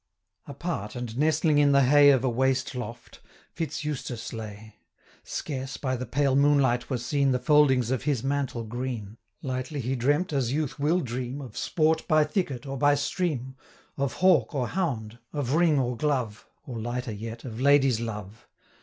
Apart, and nestling in the hay Of a waste loft, Fitz Eustace lay; Scarce, by the pale moonlight, were seen 525 The foldings of his mantle green: Lightly he dreamt, as youth will dream, Of sport by thicket, or by stream, Of hawk or hound, of ring or glove, Or, lighter yet, of lady's love.